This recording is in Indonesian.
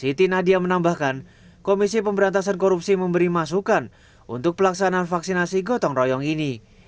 siti nadia menambahkan komisi pemberantasan korupsi memberi masukan untuk pelaksanaan vaksinasi gotong royong ini